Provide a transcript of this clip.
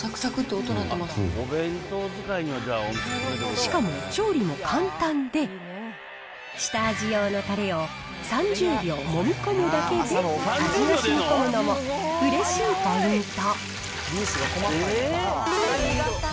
しかも、調理も簡単で、下味用のたれを３０秒もみ込むだけで味がしみこむのもうれしいポイント。